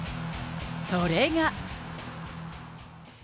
それが。